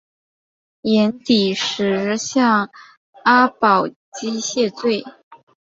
寅底石向阿保机谢罪。